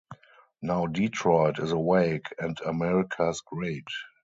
Now Detroit is awake and America's great!